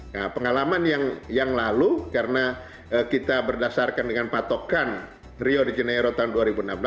nah pengalaman yang lalu karena kita berdasarkan dengan patokan rio de janeiro tahun dua ribu enam belas